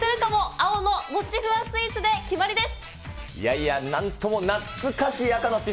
青のもちふわスイーツで決まりです。